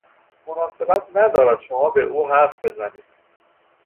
مناسبت ندارد شما به او حرف بزنید.